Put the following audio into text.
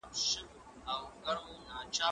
تکړښت د زهشوم له خوا کيږي،